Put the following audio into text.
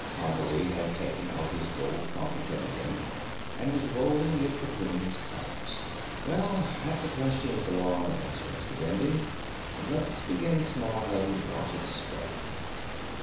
Condley had taken out his gold fountain pen again and was rolling it between his palms. "Well, that's a question with a long answer, Mr. Bending. Let's begin small and watch it spread.